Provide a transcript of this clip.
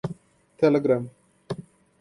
Telegram